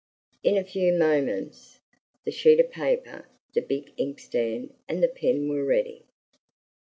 In a few moments, the sheet of paper, the big inkstand, and the pen were ready.